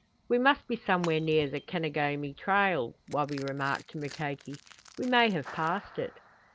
"We must be somewhere near the Kenogami trail," Wabi remarked to Mukoki. "We may have passed it."